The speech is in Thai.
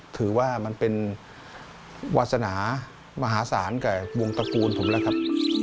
ถือว่ามันเป็นวาสนามหาศาลกับวงตระกูลผมแล้วครับ